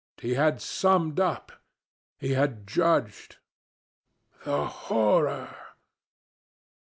He had summed up he had judged. 'The horror!'